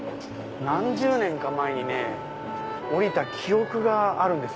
何十年か前に降りた記憶があるんですよね。